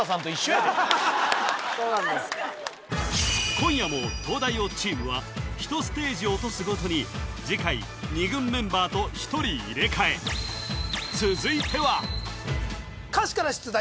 今夜も東大王チームは１ステージ落とすごとに次回２軍メンバーと１人入れ替え続いては歌詞から出題！